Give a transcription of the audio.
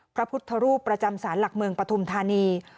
พระพุทธรูปประจำศาลหลักเมืองปฐุมธานี